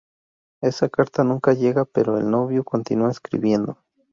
Esa carta nunca llega pero el novio continúa escribiendo.